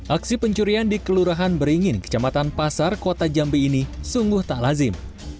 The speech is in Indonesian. aksi pencurian di kelurahan beringin kecamatan pasar kota jambi ini sungguh tak lazim